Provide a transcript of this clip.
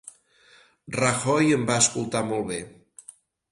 Rajoy em va escoltar molt bé.